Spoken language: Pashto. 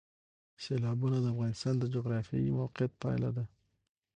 سیلابونه د افغانستان د جغرافیایي موقیعت پایله ده.